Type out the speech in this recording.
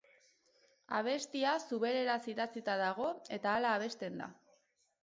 Abestia zubereraz idatzita dago eta hala abesten da.